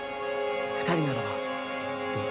二人ならばどうだ？